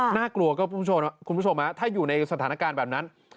ค่ะน่ากลัวก็คุณผู้ชมนะคุณผู้ชมนะถ้าอยู่ในสถานการณ์แบบนั้น